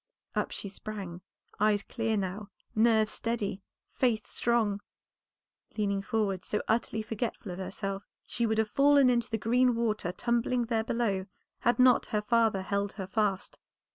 Up she sprung, eyes clear now, nerves steady, faith strong. Leaning forward so utterly forgetful of herself, she would have fallen into the green water tumbling there below, had not her father held her fast.